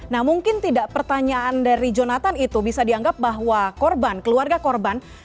nah mungkin tidak pertanyaan dari jonathan itu bisa dianggap bahwa korban keluarga korban